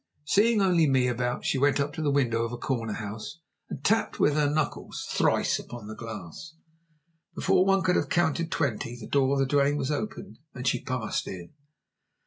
Seeing only me about, she went up to the window of a corner house and tapped with her knuckles thrice upon the glass. Before one could have counted twenty the door of the dwelling was opened, and she passed in.